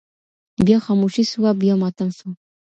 بيا خاموشي سوه بيا ماتم سو